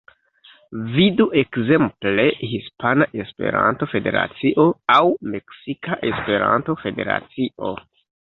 Vidu ekzemple Hispana Esperanto-Federacio aŭ Meksika Esperanto-Federacio.